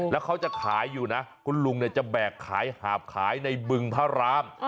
แล้วเขาจะขายอยู่นะคุณลุงจะแบกขายหาบขายในบึงพระราม